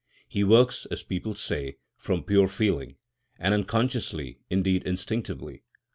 He works, as people say, from pure feeling, and unconsciously, indeed instinctively.